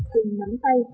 cùng nắm tay